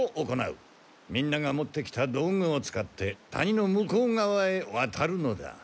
みんなが持ってきた道具を使って谷の向こうがわへわたるのだ。